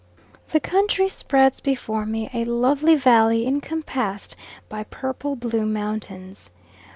The country spreads before me a lovely valley encompassed by purple blue mountains.